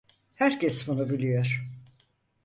Herkes bunu biliyor.